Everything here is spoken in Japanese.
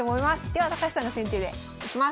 では高橋さんの先手でいきます。